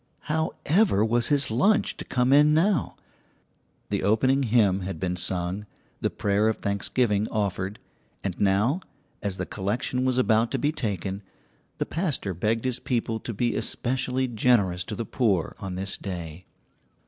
How ever was his lunch to come in now? The opening hymn had been sung, the prayer of thanksgiving offered, and now, as the collection was about to be taken, the pastor begged his people to be especially generous to the poor on this day.